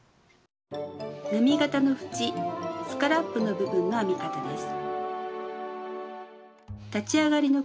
波形の縁スカラップの部分の編み方です。